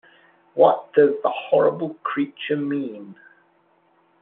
What does the horrible creature mean?